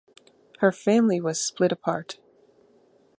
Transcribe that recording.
Her family was split apart.